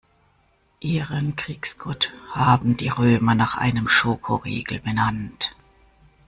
Ihren Kriegsgott haben die Römer nach einem Schokoriegel benannt.